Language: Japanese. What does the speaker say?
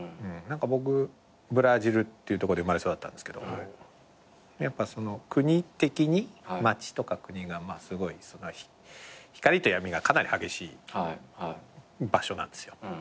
僕ブラジルっていうとこで生まれ育ったんですけどやっぱ国的に町とか国がすごい光と闇がかなり激しい場所なんですよ。